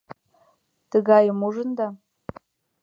— Тыгайым ужында!